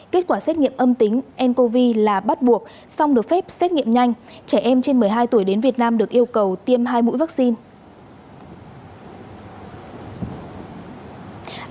kết quả xét nghiệm âm tính ncov là bắt buộc xong được phép xét nghiệm nhanh trẻ em trên một mươi hai tuổi đến việt nam được yêu cầu tiêm hai mũi vaccine